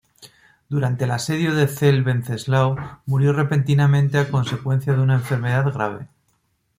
Durante el asedio de Celle Venceslao murió repentinamente a consecuencia de una enfermedad grave.